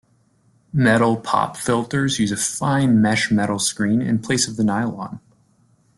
Metal pop filters use a fine mesh metal screen in place of the nylon.